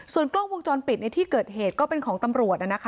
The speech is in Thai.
ส่วนกล้องวงจรปิดในที่เกิดเหตุก็เป็นของตำรวจนะคะ